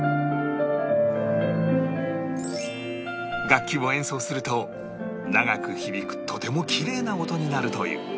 楽器を演奏すると長く響くとてもきれいな音になるという